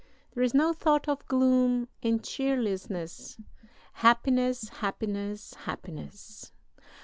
There is no thought of gloom and cheerlessness. Happiness! Happiness! Happiness!...